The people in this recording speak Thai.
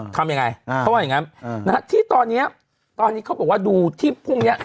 ทำยังไงเขาว่าอย่างงั้นที่ตอนนี้ตอนนี้เขาบอกว่าดูที่พรุ่งเนี้ย